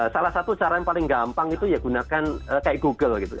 salah satu cara yang paling gampang itu ya gunakan kayak google gitu